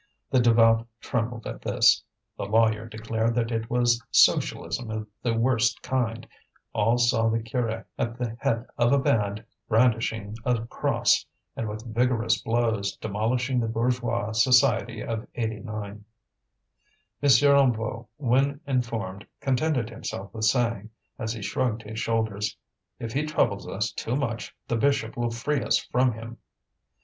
The devout trembled at this; the lawyer declared that it was Socialism of the worst kind; all saw the curé at the head of a band, brandishing a cross, and with vigorous blows demolishing the bourgeois society of '89. M. Hennebeau, when informed, contented himself with saying, as he shrugged his shoulders: "If he troubles us too much the bishop will free us from him."